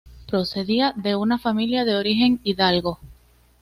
Procedía de una familia de origen hidalgo.